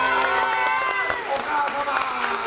お母様！